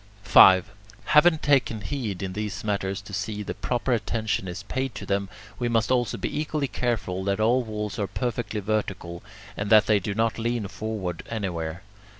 5. Having taken heed in these matters to see that proper attention is paid to them, we must also be equally careful that all walls are perfectly vertical, and that they do not lean forward anywhere.